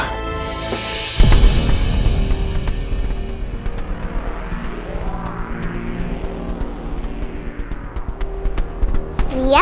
kertasnya dimana